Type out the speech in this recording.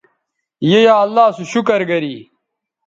ی یا اللہ سو شکر گری